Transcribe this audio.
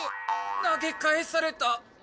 投げ返された？